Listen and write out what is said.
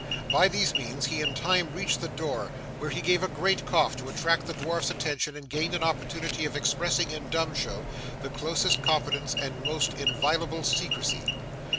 By these means he in time reached the door, where he gave a great cough to attract the dwarf's attention and gain an opportunity of expressing in dumb show, the closest confidence and most inviolable secrecy.